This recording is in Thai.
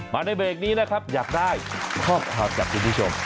ในเบรกนี้นะครับอยากได้ข้อความจากคุณผู้ชม